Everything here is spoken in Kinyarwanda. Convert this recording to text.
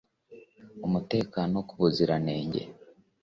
Umutekano ku buziranenge